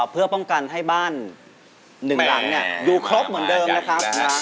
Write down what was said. เพื่อป้องกันให้บ้านหนึ่งหลังอยู่ครบเหมือนเดิมนะครับ